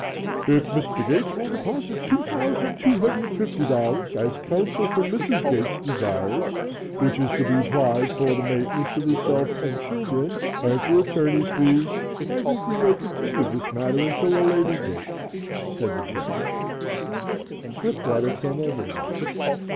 "If Mr. Gates will deposit $2,250, as counsel for Mrs. Gates desires, which is to be applied for the maintenance of herself and children and for attorney's fees, I think we may continue this matter until a later date," said the judge. Swiftwater came over to me.